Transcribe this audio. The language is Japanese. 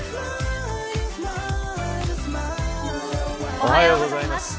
おはようございます。